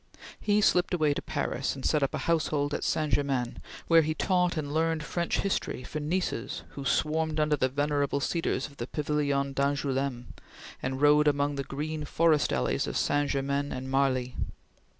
He slipped away to Paris, and set up a household at St. Germain where he taught and learned French history for nieces who swarmed under the venerable cedars of the Pavillon d'Angouleme, and rode about the green forest alleys of St. Germain and Marly.